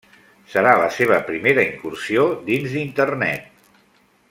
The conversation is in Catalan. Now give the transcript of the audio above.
Serà la seva primera incursió dins d'Internet.